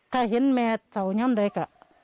ถ้าเห็นแม่เจ้านี่อย่างไรก็